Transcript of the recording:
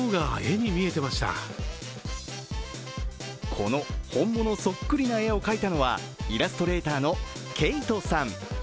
この本物そっくりな絵を描いたのはイラストレーターの慧人さん。